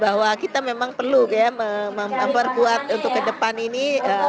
bahwa kita memang perlu ya memperkuat untuk ke depan ini